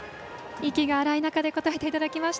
息が荒い中で答えていただきました。